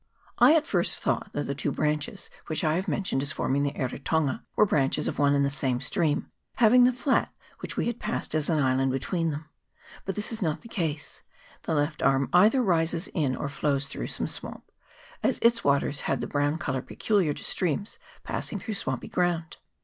I at first thought that the two branches which I have mentioned as forming the Eritonga were branches of one and the same stream, having the flat which we had passed as an island between them ; but this is not the case ; the left arm either rises in or flows through some swamp, as its waters CHAP. III.] THE ERITONGA. 85 had the brown colour peculiar to streams passing through swampy ground.